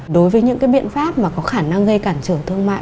đối với những biện pháp có khả năng gây cản trở thương mại